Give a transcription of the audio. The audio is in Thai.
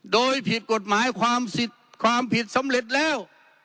โดยผิดกฎหมายความผิดสำเร็จแล้ว